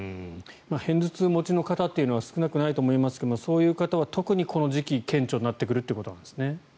片頭痛持ちの方というのは少なくないと思いますがそういう方は特にこの時期顕著になってくるということなんですね。